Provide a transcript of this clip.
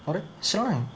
知らないの？